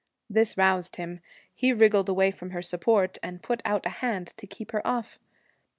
This roused him. He wriggled away from her support, and put out a hand to keep her off.